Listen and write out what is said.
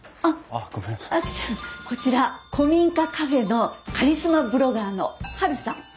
あっあきちゃん。こちら古民家カフェのカリスマブロガーのハルさん。